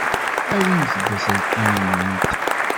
Awimt-d aselkim-nwent.